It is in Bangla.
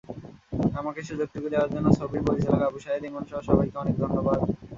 আমাকে সুযোগটুকু দেওয়ার জন্য ছবির পরিচালক আবু শাহেদ ইমনসহ সবাইকে অনেক ধন্যবাদ।